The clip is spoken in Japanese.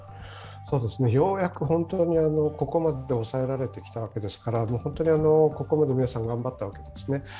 ようやく本当にここまで抑えられてきたわけですからここまで皆さん頑張ったわけですね。